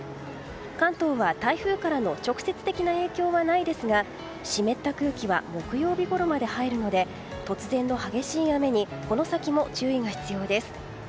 関東は台風からの直接的な影響はないですが湿った空気は木曜日ごろまで入るので突然の激しい雨にこの先も注意が必要です。